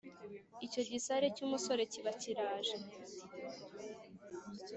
Icyo gisare cy’umusore kiba kiraje